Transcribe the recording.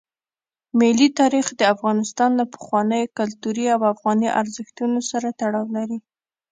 ملي تاریخ د افغانستان له پخوانیو کلتوري او افغاني ارزښتونو سره تړاو لري.